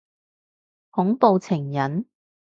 恐怖情人？